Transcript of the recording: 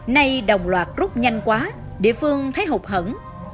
nay đồng loạt rút nhanh quá địa phương thấy hụt hẫn